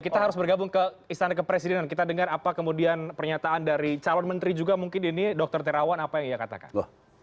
kita harus bergabung ke istana kepresidenan kita dengar apa kemudian pernyataan dari calon menteri juga mungkin ini dr terawan apa yang ia katakan